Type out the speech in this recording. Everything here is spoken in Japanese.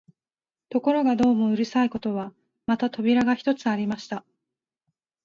ところがどうもうるさいことは、また扉が一つありました